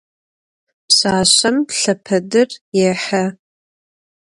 Pşsaşsem lhepedır yêxhe.